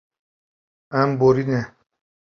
Em borîne.